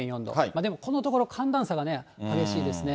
でもこのところ、寒暖差が激しいですね。